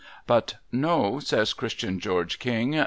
But, ' No,' says Christian George King.